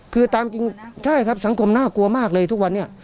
คือตามจริงใช่ครับสังคมน่ากลัวมากเลยทุกวันนี้